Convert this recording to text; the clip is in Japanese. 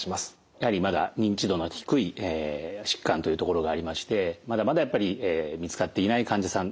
やはりまだ認知度の低い疾患というところがありましてまだまだやっぱり見つかっていない患者さん